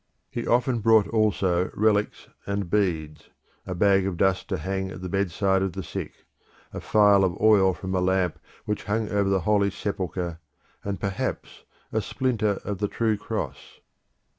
He often brought also relics and beads; a bag of dust to hang at the bedside of the sick; a phial of oil from the lamp which hung over the Holy Sepulchre, and perhaps a splinter of the true cross.